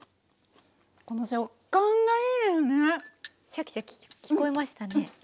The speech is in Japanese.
シャキシャキ聞こえましたね。